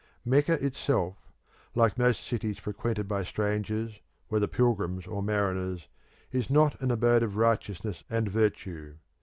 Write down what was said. Mecca itself, like most cities frequented by strangers, whether pilgrims or mariners, is not an abode of righteousness and virtue.